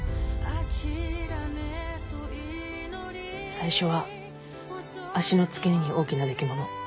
最初は足の付け根に大きなできもの。